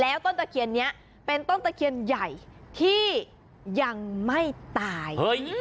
แล้วต้นตะเคียนนี้เป็นต้นตะเคียนใหญ่ที่ยังไม่ตาย